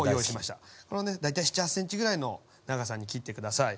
大体７８ｃｍぐらいの長さに切って下さい。